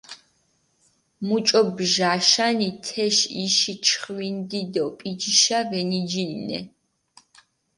მუჭო ბჟაშანი, თეში იში ჩხვინდი დო პიჯიშა ვენიჯინინე.